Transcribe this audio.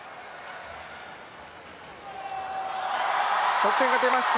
得点が出ました、